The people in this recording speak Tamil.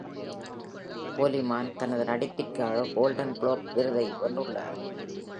ஹோலிமான் தனது நடிப்பிற்காக கோல்டன் குளோப் விருதை வென்றுள்ளார்.